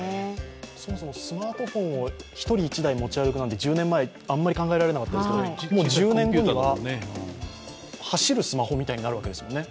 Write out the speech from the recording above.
そもそもスマートフォンを１人１台持ち歩くなんて１０年前あまり考えられなかったですけれども、もう１０年後には、走るスマホみたいになるわけですもんね。